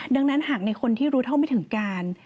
ดังนั้นหากในคนที่รู้เท่าไม่ถึงการ